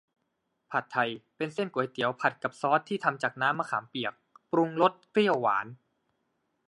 ผัดไทยเป็นเส้นก๋วยเตี๋ยวผัดกับซอสที่ทำจากน้ำมะขามเปียก ปรุงรสเปรี้ยวหวาน